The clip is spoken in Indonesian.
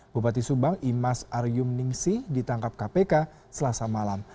bupati subang imas aryuningsi ditangkap kpk selasa malam